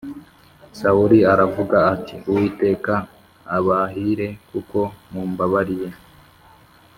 Sawuli aravuga ati “Uwiteka abahire kuko mumbabariye.